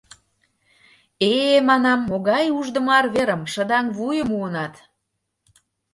«Э, манам, могай уждымо арверым — шыдаҥ вуйым муынат.